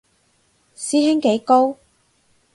師兄幾高